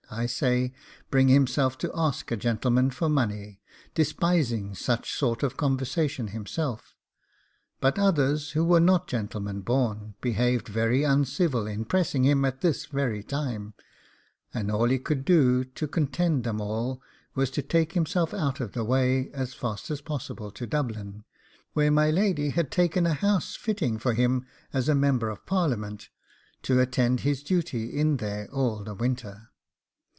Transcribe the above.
I say, bring himself to ask a gentleman for money, despising such sort of conversation himself; but others, who were not gentlemen born, behaved very uncivil in pressing him at this very time, and all he could do to content 'em all was to take himself out of the way as fast as possible to Dublin, where my lady had taken a house fitting for him as a member of Parliament, to attend his duty in there all the winter.